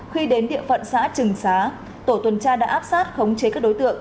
khi đến địa phận xã trừng xá tổ tuần tra đã áp sát khống chế các đối tượng